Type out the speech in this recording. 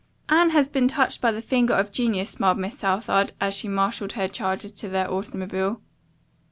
"Anne has been touched by the finger of Genius," smiled Miss Southard, as she marshaled her charges to their automobile.